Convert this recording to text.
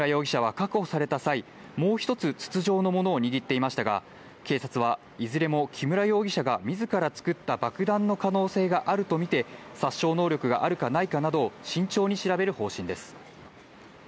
木村容疑者は確保された際、もう一つ筒状のものを握っていましたが、警察はいずれも木村容疑者がみずから作った爆弾の可能性があるとみて殺傷能力があるかないかなどを慎重に調べる方針です。